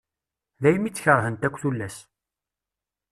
Daymi tt-kerhent akk tullas.